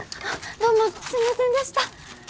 どうもすみませんでした！